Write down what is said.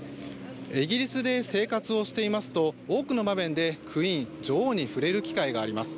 イギリスで生活していますと多くの場面でクイーン女王に触れる場面があります。